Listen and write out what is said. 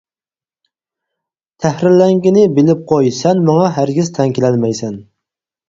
تەھرىرلەنگىنى: بىلىپ قوي، سەن ماڭا ھەرگىز تەڭ كېلەلمەيسەن.